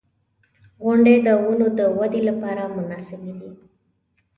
• غونډۍ د ونو د ودې لپاره مناسبې دي.